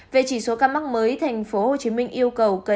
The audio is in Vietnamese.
về chỉ số cam mắc mới tp hcm yêu cầu